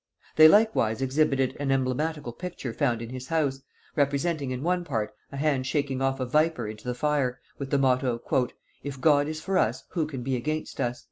They likewise exhibited an emblematical picture found in his house, representing in one part a hand shaking off a viper into the fire, with the motto, "If God is for us who can be against us?"